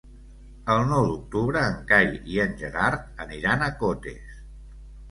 El nou d'octubre en Cai i en Gerard aniran a Cotes.